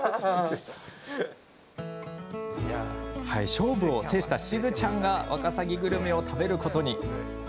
勝負を制した、しずちゃんがワカサギグルメを食べることに。